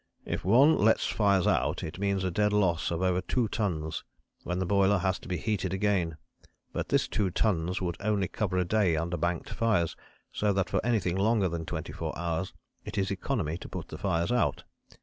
"If one lets fires out it means a dead loss of over two tons, when the boiler has to be heated again. But this two tons would only cover a day under banked fires, so that for anything longer than twenty four hours it is economy to put the fires out.